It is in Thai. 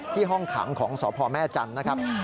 ที่ห้องขังของสอบพ่อแม่จันทร์นะครับ